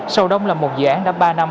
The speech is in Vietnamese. sầu đông là một dự án đã ba năm